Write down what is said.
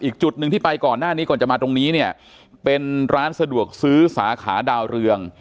อีกจุดหนึ่งที่ไปก่อนหน้านี้ก่อนจะมาตรงนี้เนี่ยเป็นร้านสะดวกซื้อสาขาดาวเรือง